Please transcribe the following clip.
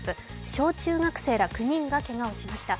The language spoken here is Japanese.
小中学生ら９人がけがをしました。